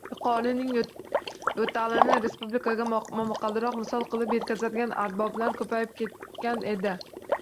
Yuqorining yo‘talini respublikaga momaqaldiroq misol qilib yetkazadigan arboblar ko‘payib ketgan edi